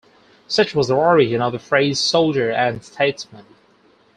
Such was the origin of the phrase "soldier and statesman".